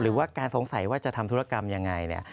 หรือว่าการสงสัยว่าจะทำธุรกรรมยังไงเนี่ย